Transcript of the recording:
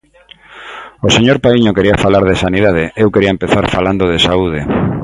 O señor Paíño quería falar de sanidade, eu quería empezar falando de saúde.